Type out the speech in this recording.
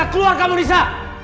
bisa keluar kamu bisa